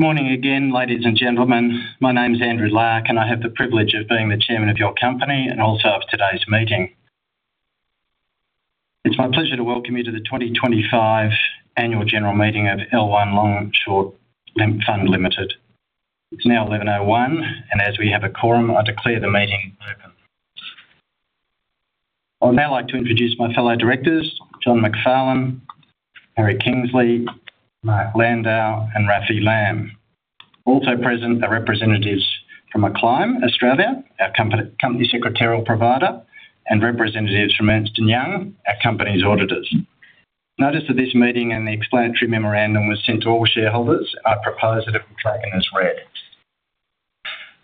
Good morning again, ladies and gentlemen. My name's Andrew Larke, and I have the privilege of being the Chairman of your company and also of today's meeting. It's my pleasure to welcome you to the 2025 Annual General Meeting of L1 Long Short Fund Limited. It's now 11:01 A.M., and as we have a quorum, I declare the meeting open. I'd now like to introduce my fellow directors: John Macfarlane, Harry Kingsley, Mark Landau, and Raffi Lamm. Also present are representatives from Acclaim Australia, our company secretarial provider, and representatives from Ernst & Young, our company's auditors. Notice that this meeting and the explanatory memorandum were sent to all shareholders, and I propose that it be taken as read.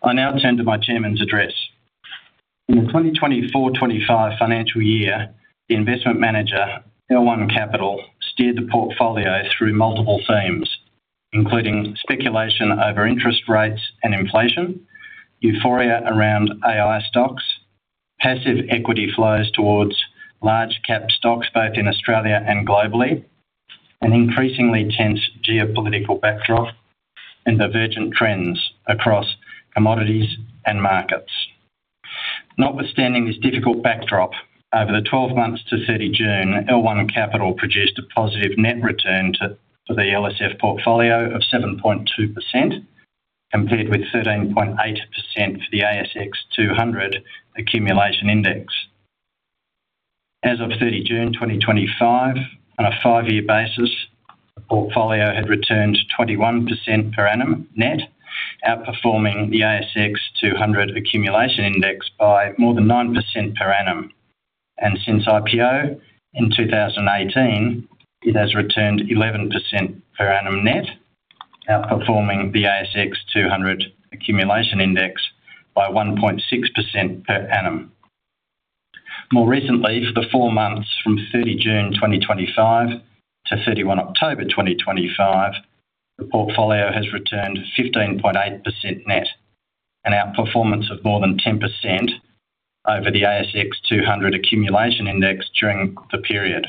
I now turn to my Chairman's address. In the 2024-2025 financial year, the investment manager, L1 Capital, steered the portfolio through multiple themes, including speculation over interest rates and inflation, euphoria around AI stocks, passive equity flows towards large-cap stocks both in Australia and globally, and increasingly tense geopolitical backdrop and divergent trends across commodities and markets. Notwithstanding this difficult backdrop, over the 12 months to 30 June, L1 Capital produced a positive net return for the LSF portfolio of 7.2%, compared with 13.8% for the ASX 200 Accumulation Index. As of 30 June 2025, on a five-year basis, the portfolio had returned 21% per annum net, outperforming the ASX 200 Accumulation Index by more than 9% per annum. Since IPO in 2018, it has returned 11% per annum net, outperforming the ASX 200 Accumulation Index by 1.6% per annum. More recently, for the four months from 30 June 2025 to 31 October 2025, the portfolio has returned 15.8% net, an outperformance of more than 10% over the ASX 200 Accumulation Index during the period.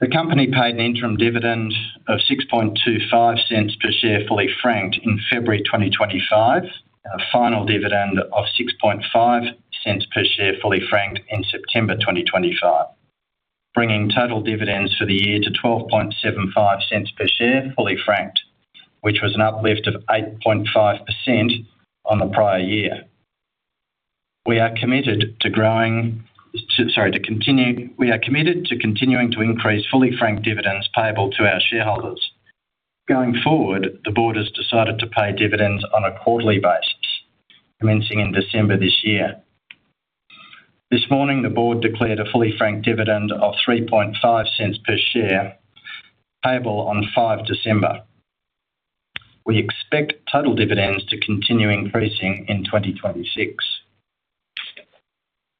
The company paid an interim dividend of 0.0625 per share fully franked in February 2025, and a final dividend of 0.065 per share fully franked in September 2025, bringing total dividends for the year to 0.1275 per share fully franked, which was an uplift of 8.5% on the prior year. We are committed to growing—sorry, to continue—we are committed to continuing to increase fully franked dividends payable to our shareholders. Going forward, the board has decided to pay dividends on a quarterly basis, commencing in December this year. This morning, the board declared a fully franked dividend of 0.035 per share payable on 5 December. We expect total dividends to continue increasing in 2026.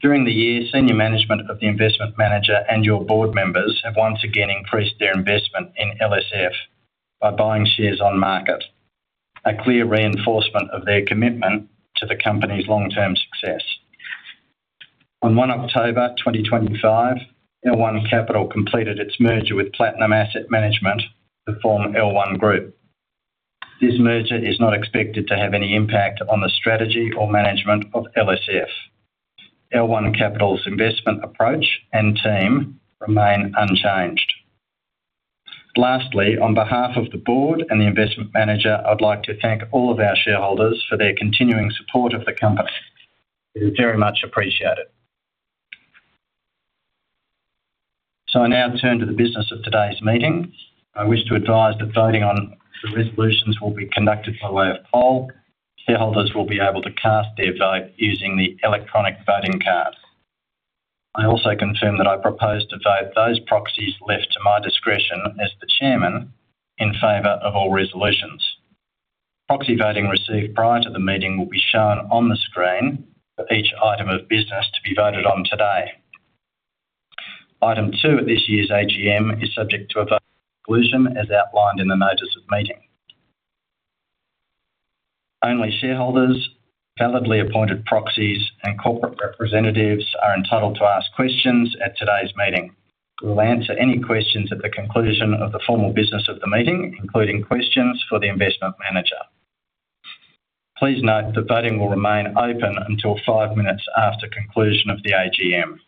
During the year, senior management of the investment manager and your board members have once again increased their investment in LSF by buying shares on market, a clear reinforcement of their commitment to the company's long-term success. On 1 October 2025, L1 Capital completed its merger with Platinum Asset Management to form L1 Group. This merger is not expected to have any impact on the strategy or management of LSF. L1 Capital's investment approach and team remain unchanged. Lastly, on behalf of the board and the investment manager, I'd like to thank all of our shareholders for their continuing support of the company. It is very much appreciated. I now turn to the business of today's meeting. I wish to advise that voting on the resolutions will be conducted by way of poll. Shareholders will be able to cast their vote using the electronic voting card. I also confirm that I propose to vote those proxies left to my discretion as the Chairman in favor of all resolutions. Proxy voting received prior to the meeting will be shown on the screen for each item of business to be voted on today. Item two of this year's AGM is subject to a vote conclusion as outlined in the notice of meeting. Only shareholders, validly appointed proxies, and corporate representatives are entitled to ask questions at today's meeting. We will answer any questions at the conclusion of the formal business of the meeting, including questions for the investment manager. Please note that voting will remain open until five minutes after conclusion of the AGM.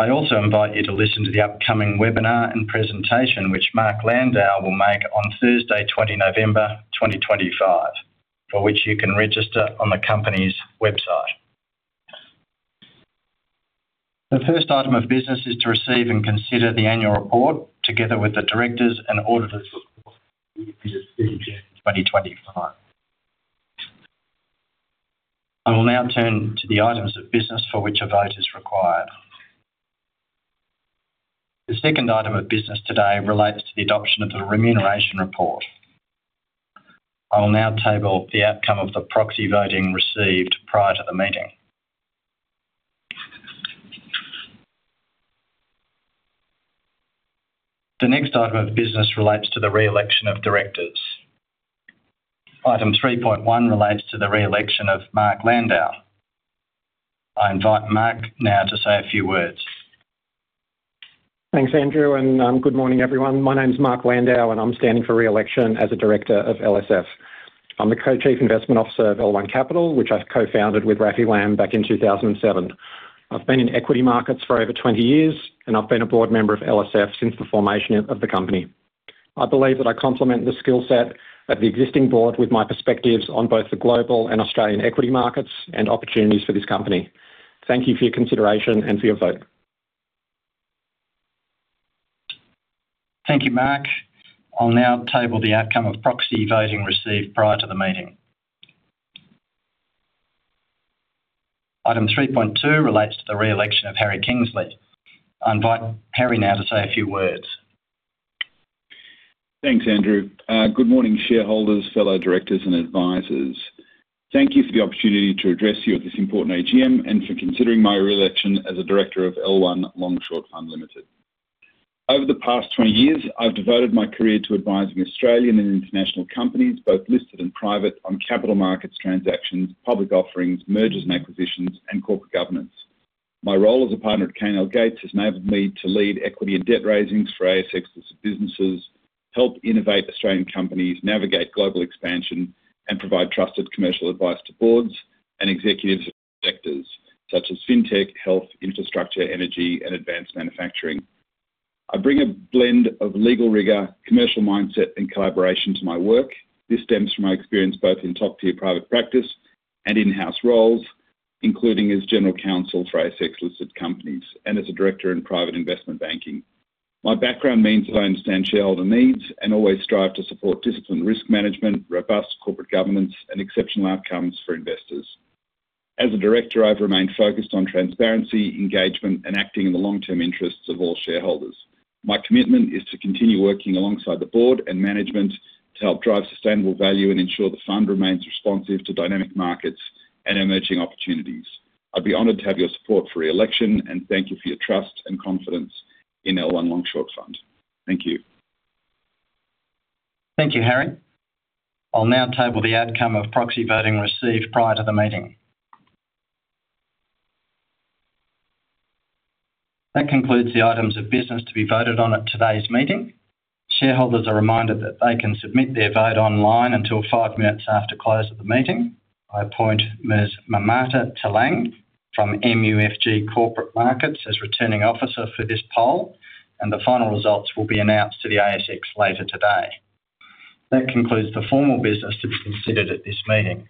I also invite you to listen to the upcoming webinar and presentation which Mark Landau will make on Thursday, 20 November 2025, for which you can register on the company's website. The first item of business is to receive and consider the annual report together with the directors and auditors' report for the year ended in 2025. I will now turn to the items of business for which a vote is required. The second item of business today relates to the adoption of the remuneration report. I will now table the outcome of the proxy voting received prior to the meeting. The next item of business relates to the re-election of directors. Item 3.1 relates to the re-election of Mark Landau. I invite Mark now to say a few words. Thanks, Andrew. Good morning, everyone. My name's Mark Landau, and I'm standing for re-election as a director of LSF. I'm the co-chief investment officer of L1 Capital, which I co-founded with Raffi Lamm back in 2007. I've been in equity markets for over 20 years, and I've been a board member of LSF since the formation of the company. I believe that I complement the skill set of the existing board with my perspectives on both the global and Australian equity markets and opportunities for this company. Thank you for your consideration and for your vote. Thank you, Mark. I'll now table the outcome of proxy voting received prior to the meeting. Item 3.2 relates to the re-election of Harry Kingsley. I invite Harry now to say a few words. Thanks, Andrew. Good morning, shareholders, fellow directors, and advisers. Thank you for the opportunity to address you at this important AGM and for considering my re-election as a director of L1 Long Short Fund Limited. Over the past 20 years, I've devoted my career to advising Australian and international companies, both listed and private, on capital markets transactions, public offerings, mergers and acquisitions, and corporate governance. My role as a partner at Canaille Gates has enabled me to lead equity and debt raisings for ASX-listed businesses, help innovate Australian companies, navigate global expansion, and provide trusted commercial advice to boards and executives of sectors such as fintech, health, infrastructure, energy, and advanced manufacturing. I bring a blend of legal rigor, commercial mindset, and collaboration to my work. This stems from my experience both in top-tier private practice and in-house roles, including as general counsel for ASX-listed companies and as a director in private investment banking. My background means that I understand shareholder needs and always strive to support disciplined risk management, robust corporate governance, and exceptional outcomes for investors. As a director, I've remained focused on transparency, engagement, and acting in the long-term interests of all shareholders. My commitment is to continue working alongside the board and management to help drive sustainable value and ensure the fund remains responsive to dynamic markets and emerging opportunities. I'd be honored to have your support for re-election and thank you for your trust and confidence in L1 Long Short Fund. Thank you. Thank you, Harry. I'll now table the outcome of proxy voting received prior to the meeting. That concludes the items of business to be voted on at today's meeting. Shareholders are reminded that they can submit their vote online until five minutes after close of the meeting. I appoint Ms. Mamata Telang from MUFG Corporate Markets as returning officer for this poll, and the final results will be announced to the ASX later today. That concludes the formal business to be considered at this meeting.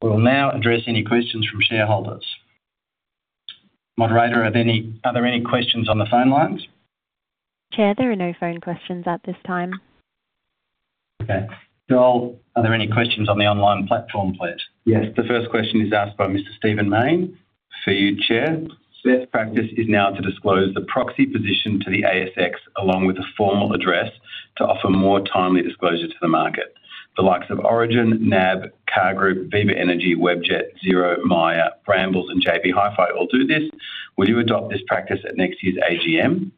We'll now address any questions from shareholders. Moderator, are there any questions on the phone lines? Chair, there are no phone questions at this time. Okay. Joel, are there any questions on the online platform, please? Yes. The first question is asked by Mr. Stephen Maine for you, Chair. Best practice is now to disclose the proxy position to the ASX along with a formal address to offer more timely disclosure to the market. The likes of Origin, NAB, Car Group, Viva Energy, Webjet, Zero, Maia, Brambles, and JB Hi-Fi will do this. Will you adopt this practice at next year's AGM?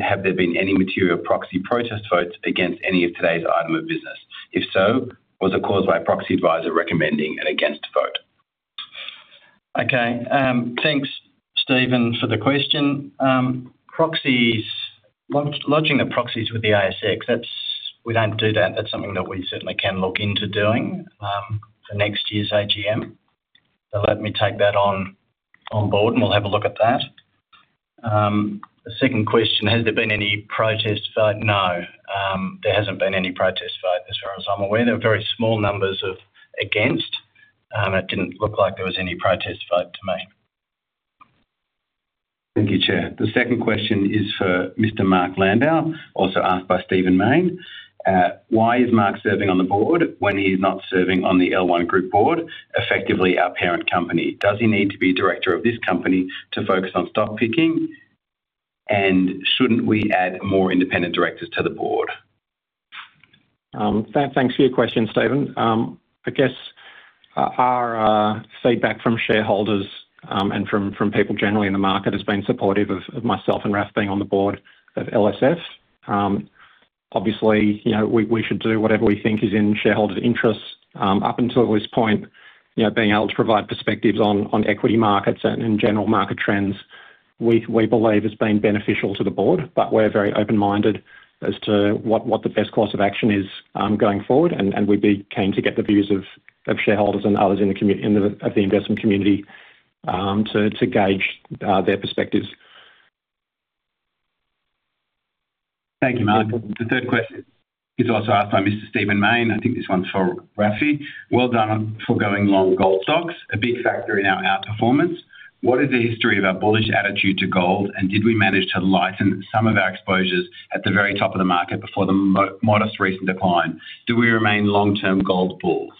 Have there been any material proxy protest votes against any of today's item of business? If so, was it caused by a proxy advisor recommending an against vote? Okay. Thanks, Stephen, for the question. Proxies lodging the proxies with the ASX, we don't do that. That's something that we certainly can look into doing for next year's AGM. Let me take that on board, and we'll have a look at that. The second question, has there been any protest vote? No. There hasn't been any protest vote as far as I'm aware. There are very small numbers of against. It didn't look like there was any protest vote to me. Thank you, Chair. The second question is for Mr. Mark Landau, also asked by Stephen Maine. Why is Mark serving on the board when he's not serving on the L1 Group board, effectively our parent company? Does he need to be director of this company to focus on stock picking? And shouldn't we add more independent directors to the board? Thanks for your question, Stephen. I guess our feedback from shareholders and from people generally in the market has been supportive of myself and Raffi being on the board of L1 Long Short Fund. Obviously, we should do whatever we think is in shareholders' interests. Up until this point, being able to provide perspectives on equity markets and general market trends, we believe has been beneficial to the board. We are very open-minded as to what the best course of action is going forward. We would be keen to get the views of shareholders and others of the investment community to gauge their perspectives. Thank you, Mark. The third question is also asked by Mr. Stephen Maine. I think this one's for Raffi. Well done for going long gold stocks, a big factor in our outperformance. What is the history of our bullish attitude to gold? Did we manage to lighten some of our exposures at the very top of the market before the modest recent decline? Do we remain long-term gold bulls?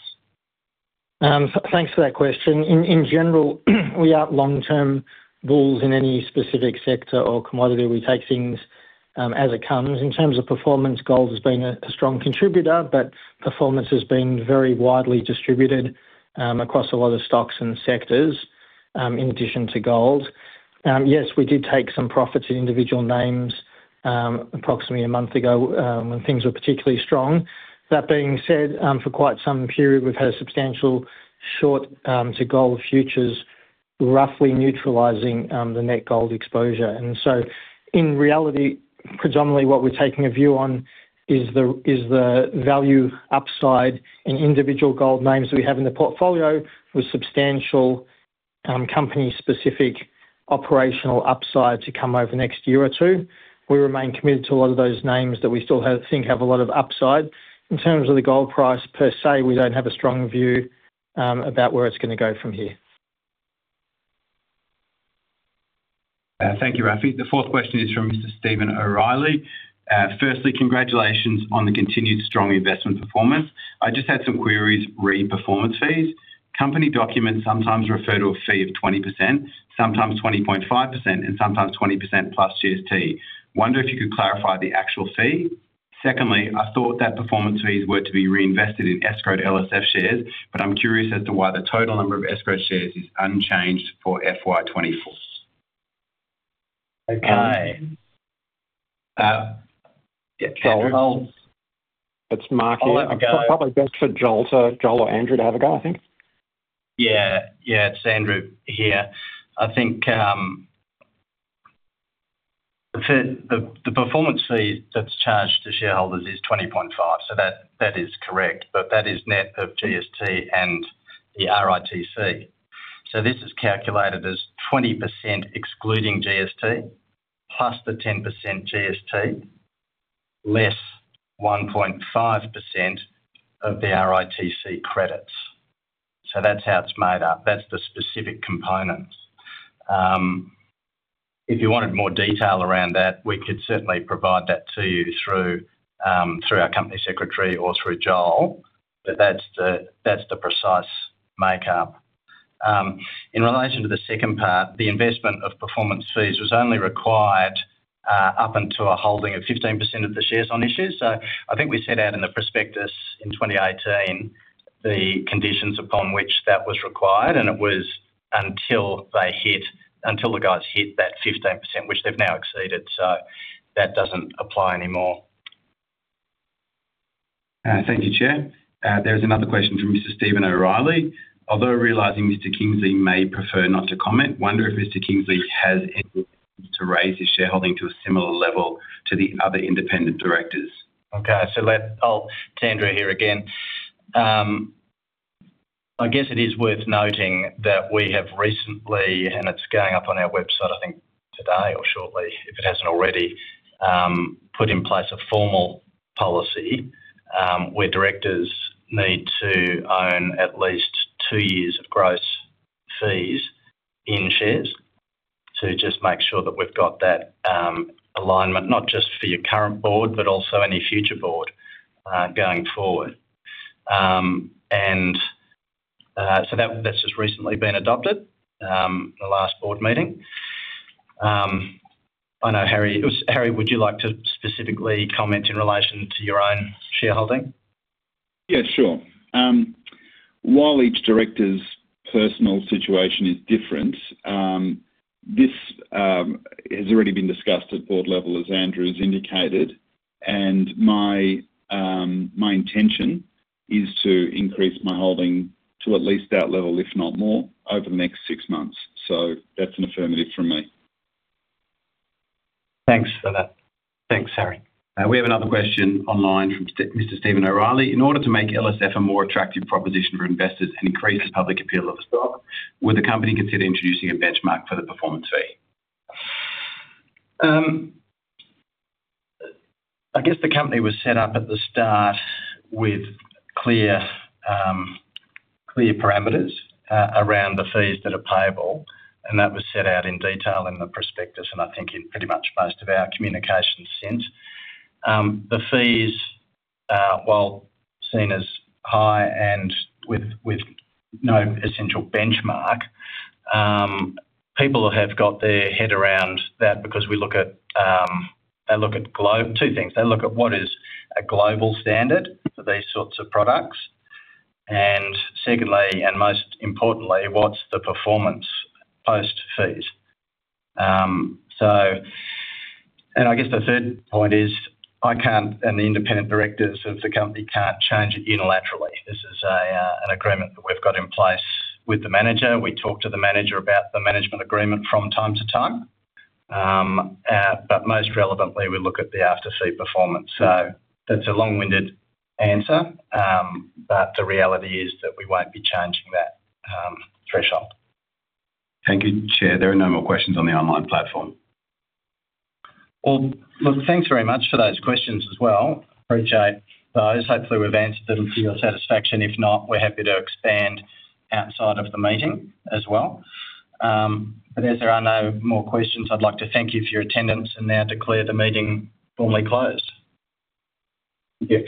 Thanks for that question. In general, we are long-term bulls in any specific sector or commodity. We take things as it comes. In terms of performance, gold has been a strong contributor, but performance has been very widely distributed across a lot of stocks and sectors in addition to gold. Yes, we did take some profits in individual names approximately a month ago when things were particularly strong. That being said, for quite some period, we've had a substantial short to gold futures roughly neutralizing the net gold exposure. In reality, predominantly what we're taking a view on is the value upside in individual gold names that we have in the portfolio with substantial company-specific operational upside to come over next year or two. We remain committed to a lot of those names that we still think have a lot of upside. In terms of the gold price per se, we don't have a strong view about where it's going to go from here. Thank you, Raffi. The fourth question is from Mr. Stephen O'Reilly. Firstly, congratulations on the continued strong investment performance. I just had some queries regarding performance fees. Company documents sometimes refer to a fee of 20%, sometimes 20.5%, and sometimes 20% plus GST. Wonder if you could clarify the actual fee. Secondly, I thought that performance fees were to be reinvested in escrowed LSF shares, but I'm curious as to why the total number of escrowed shares is unchanged for FY2024. Okay. Sorry. It's Mark here. I'll probably go for Joel or Andrew to have a go, I think. Yeah. Yeah. It's Andrew here. I think the performance fee that's charged to shareholders is 20.5%. That is correct. That is net of GST and the RITC. This is calculated as 20% excluding GST plus the 10% GST less 1.5% of the RITC credits. That's how it's made up. That's the specific components. If you wanted more detail around that, we could certainly provide that to you through our company secretary or through Joel. That's the precise makeup. In relation to the second part, the investment of performance fees was only required up until a holding of 15% of the shares on issue. I think we set out in the prospectus in 2018 the conditions upon which that was required. It was until the guys hit that 15%, which they've now exceeded. That doesn't apply anymore. Thank you, Chair. There is another question from Mr. Stephen O'Reilly. Although realizing Mr. Kingsley may prefer not to comment, wonder if Mr. Kingsley has any intention to raise his shareholding to a similar level to the other independent directors. Okay. To Andrew here again, I guess it is worth noting that we have recently, and it is going up on our website, I think today or shortly, if it has not already, put in place a formal policy where directors need to own at least two years of gross fees in shares to just make sure that we have got that alignment, not just for your current board, but also any future board going forward. That has just recently been adopted at the last board meeting. I know, Harry. Harry, would you like to specifically comment in relation to your own shareholding? Yeah, sure. While each director's personal situation is different, this has already been discussed at board level, as Andrew has indicated. My intention is to increase my holding to at least that level, if not more, over the next six months. That's an affirmative from me. Thanks for that. Thanks, Harry. We have another question online from Mr. Stephen O'Reilly. In order to make LSF a more attractive proposition for investors and increase the public appeal of the stock, would the company consider introducing a benchmark for the performance fee? I guess the company was set up at the start with clear parameters around the fees that are payable. That was set out in detail in the prospectus and I think in pretty much most of our communications since. The fees are well seen as high and with no essential benchmark. People have got their head around that because they look at two things. They look at what is a global standard for these sorts of products. Secondly, and most importantly, what's the performance post fees? I guess the third point is I can't and the independent directors of the company can't change it unilaterally. This is an agreement that we've got in place with the manager. We talk to the manager about the management agreement from time to time. Most relevantly, we look at the after-fee performance. That's a long-winded answer. The reality is that we won't be changing that threshold. Thank you, Chair. There are no more questions on the online platform. Thank you very much for those questions as well. Appreciate those. Hopefully, we've answered them to your satisfaction. If not, we're happy to expand outside of the meeting as well. As there are no more questions, I'd like to thank you for your attendance and now declare the meeting formally closed. Thank you.